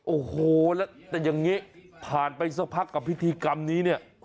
โอ้โหแล้วแต่อย่างนี้ผ่านไปสักพักกับพิธีกรรมนี้เนี่ย